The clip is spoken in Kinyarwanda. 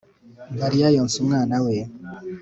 Mariya yonsa umwana we